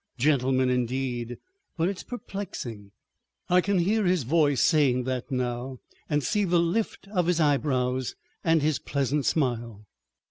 Gentlemen indeed! But it's perplexing———" I can hear his voice saying that now, and see the lift of his eyebrows and his pleasant smile.